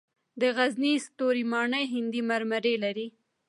د غزني ستوري ماڼۍ هندي مرمر لري